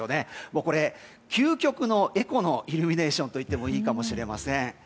これ、究極のエコのイルミネーションといってもいいかもしれません。